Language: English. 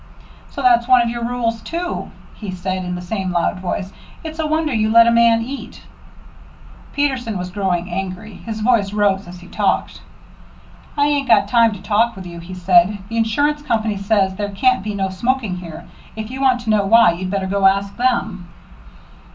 "So that's one of your rules, too?" he said, in the same loud voice. "It's a wonder you let a man eat." Peterson was growing angry. His voice rose as he talked. "I ain't got time to talk to you," he said. "The insurance company says there can't be no smoking here. If you want to know why, you'd better ask them."